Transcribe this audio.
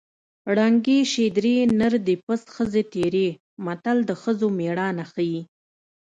ړنګې شې درې نر دې پڅ ښځې تېرې متل د ښځو مېړانه ښيي